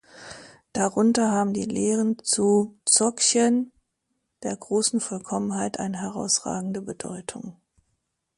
Darunter haben die Lehren zu Dzogchen der „Großen Vollkommenheit“ eine herausragende Bedeutung.